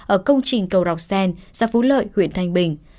ở công trình cầu rọc sen xã phú lợi huyện thanh bình